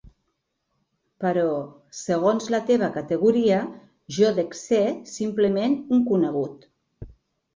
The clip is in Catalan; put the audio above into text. Però, segons la teva categoria, jo dec ser simplement un conegut.